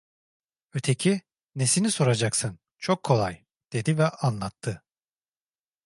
Öteki: "Nesini soracaksın, çok kolay…" dedi ve anlattı.